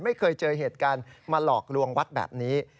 ไม่เคยเจอเหตุการณ์มาหลอกลวงวัดแบบนี้